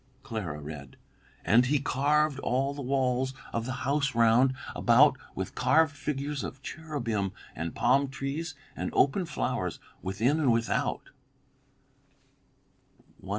Clara read: "'And he carved all the walls of the house round about with carved figures of cherubim and palm trees and open flowers, within and without.'"